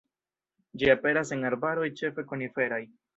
Ĝi aperas en arbaroj ĉefe koniferaj.